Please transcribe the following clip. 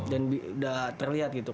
dan udah terlihat gitu